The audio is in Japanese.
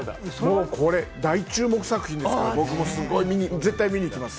これ大注目作品ですから、僕も絶対、見に行きます。